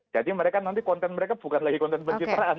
jadi mereka nanti konten mereka bukan lagi konten pencitraan